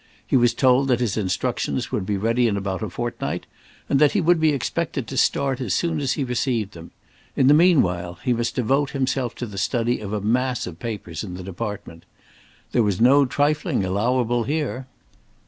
He was told that his instructions would be ready in about a fortnight, and that he would be expected to start as soon as he received them; in the meanwhile, he must devote himself to the study of a mass of papers in the Department. There was no trifling allowable here.